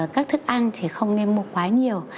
các thức ăn thì không nên mua quá nhiều